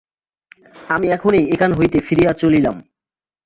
আমি এখনই এখান হইতে ফিরিয়া চলিলাম।